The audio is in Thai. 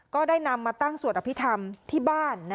ก็ได้นำมาตั้งสวดอภิษฐรรมที่บ้าน